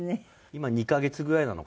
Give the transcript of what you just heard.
今２カ月ぐらいなのかな。